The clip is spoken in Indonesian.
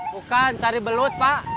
bukan cari belut pak